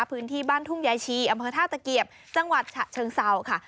พื้นที่บ้านทุ่งยายชีอำเภอท่าตะเกียบจังหวัดฉะเชิงเศร้าค่ะ